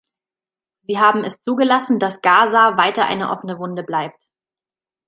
Sie haben es zugelassen, dass Gaza weiter eine offene Wunde bleibt.